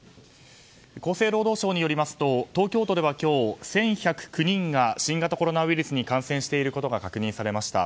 厚生労働省によりますと東京都では今日１１０９人が新型コロナウイルスに感染していることが確認されました。